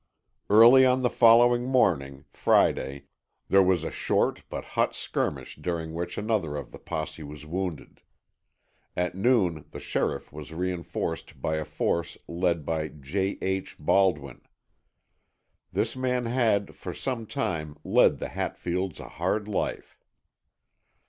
Early on the following morning (Friday), there was a short but hot skirmish during which another of the posse was wounded. At noon the sheriff was reinforced by a force led by J. H. Baldwin. This man had, for some time, led the Hatfields a hard life.